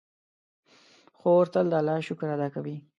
خور تل د الله شکر ادا کوي.